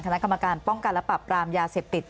คณะกรรมการป้องกันและปรับปรามยาเสพติด